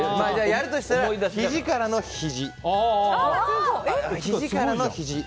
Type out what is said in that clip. やるとしたらひじからのひじ。